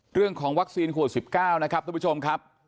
เรื่องของวัคซีนขวด๑๙นะครับทุกผู้ชมครับ